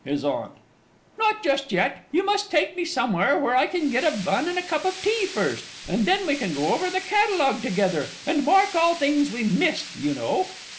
HIS AUNT. Not just yet; you must take me somewhere where I can get a bun and a cup of tea first, and then we can go over the Catalogue together, and mark all the things we missed, you know.